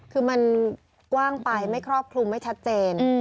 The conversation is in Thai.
คือมันกว้างไปไม่ครอบคลุมไม่ชัดเจน